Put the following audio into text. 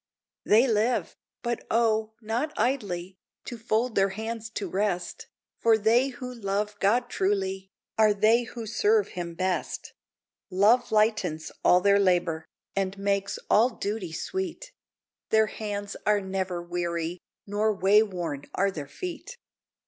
They live! but O, not idly, To fold their hands to rest, For they who love God truly, Are they who serve him best. Love lightens all their labor, And makes all duty sweet; Their hands are never weary, Nor way worn are their feet.